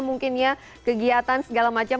mungkin kegiatan segala macam